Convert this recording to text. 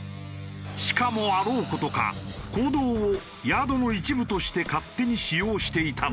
しかもあろう事か公道をヤードの一部として勝手に使用していたのだ。